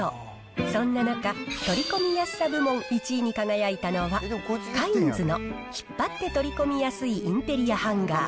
そんな中、取り込みやすさ部門１位に輝いたのがカインズの引っ張って取り込みやすいインテリアハンガー。